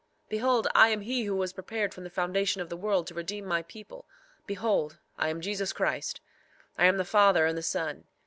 3:14 Behold, I am he who was prepared from the foundation of the world to redeem my people. Behold, I am Jesus Christ. I am the Father and the Son.